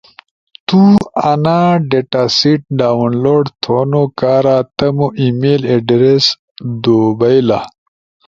تو انا ڈیٹا سیٹ ڈاونلوڈ تھونو کارا تمو ای میل ایڈریس دو بئیلا۔